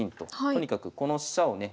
とにかくこの飛車をね